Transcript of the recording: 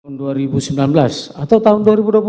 tahun dua ribu sembilan belas atau tahun dua ribu dua puluh satu